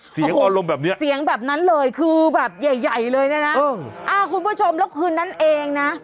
เสียงอารมณ์แบบเนี้ยเสียงแบบนั้นเลยคือแบบใหญ่ใหญ่เลยเนี่ยนะคุณผู้ชมแล้วคืนนั้นเองนะ